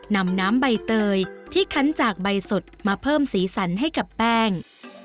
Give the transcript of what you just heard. นำน้ำใบเตยที่คั้นจากใบสดมาเพิ่มสีสันให้กับแป้ง